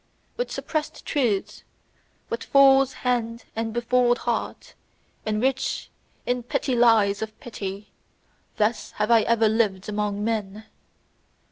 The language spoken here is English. With suppressed truths, with fool's hand and befooled heart, and rich in petty lies of pity: thus have I ever lived among men.